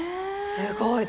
すごい。